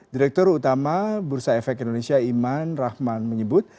direktur utama bursa efek indonesia iman rahman menyebut